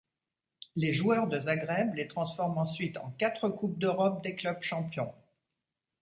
Les joueurs de Zagreb les transforme ensuite en quatre coupes d'Europe des clubs champions.